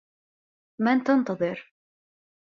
من تنتظر ؟